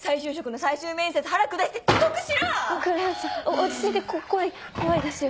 落ち着いて怖い怖いですよ。